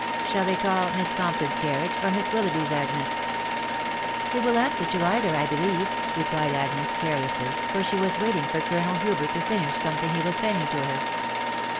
Shall they call Miss Compton' s carriage, or Miss Willoughby's, Agnes ?" "They will answer to either, I believe," replied Agnes carelessly, for she was waiting for Colonel Hubert to finish something he was saying, to her.